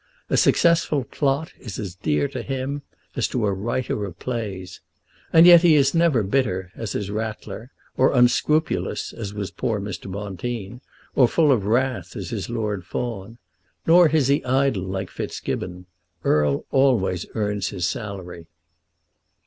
A successful plot is as dear to him as to a writer of plays. And yet he is never bitter as is Ratler, or unscrupulous as was poor Mr. Bonteen, or full of wrath as is Lord Fawn. Nor is he idle like Fitzgibbon. Erle always earns his salary."